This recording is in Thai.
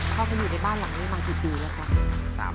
เข้าไปอยู่ในบ้านหลังนี้มากี่ปีแล้วครับ